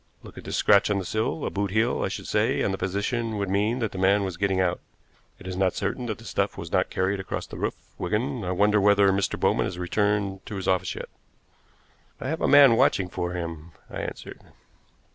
Look at this scratch on the sill a boot heel, I should say, and the position would mean that the man was getting out. It is not certain that the stuff was not carried across the roof, Wigan. I wonder whether Mr. Bowman has returned to his office yet?" "I have a man watching for him," I answered.